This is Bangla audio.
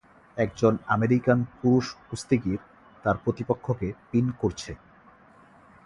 একজন আমেরিকান পুরুষ কুস্তিগীর তার প্রতিপক্ষকে পিন করছে।